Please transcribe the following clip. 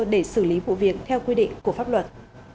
để xử lý vụ việc theo quy định của pháp luật